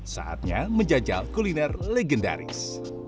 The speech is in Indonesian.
saatnya menjajal kuliner legendaris